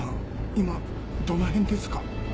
今どのへんですか？